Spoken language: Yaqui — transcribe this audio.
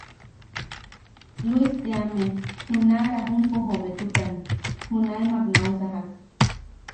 Luis teame, junaʼa Rajumpo jometukan, junaemak nau sajak.